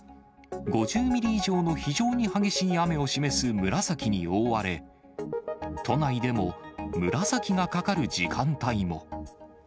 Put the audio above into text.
５０ミリ以上の非常に激しい雨を示す紫に覆われ、都内でも紫がかかる時間帯も。